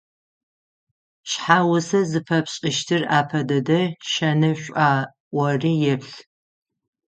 Шъхьагъусэ зыфэпшӏыщтыр апэ дэдэ шэнышӏуа ӏори еплъ.